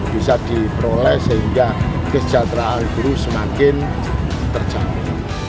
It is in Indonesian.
bisa diperoleh sehingga kesejahteraan guru semakin terjamin